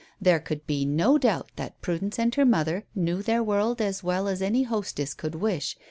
There could be no doubt that Prudence and her mother knew their world as well as any hostess could wish.